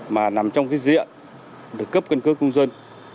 mà nằm trong cái diện được cấp căn cước công dân